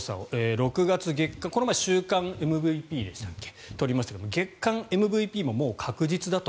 ６月この前週間ＭＶＰを取りましたが月間ＭＶＰももう確実だと。